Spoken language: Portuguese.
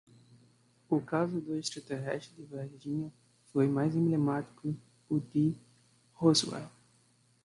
O caso do extraterrestre de Varginha foi mais emblemático que o de Roswell